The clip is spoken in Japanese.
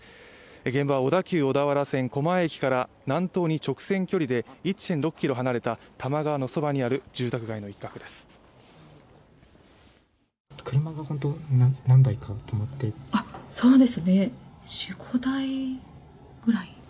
現場は小田急小田原線・狛江駅から南東に直線距離で１．６ｋｍ離れた多摩川のそばにある住宅街の一角です。